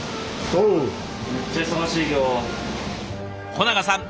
保永さん